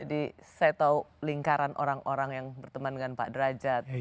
jadi saya tahu lingkaran orang orang yang berteman dengan pak derajat